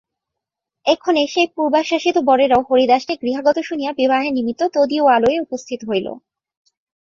এক্ষণে সেই পূর্বাশ্বাসিত বরেরাও হরিদাসকে গৃহাগত শুনিয়া বিবাহের নিমিত্ত তদীয় আলয়ে উপস্থিত হইল।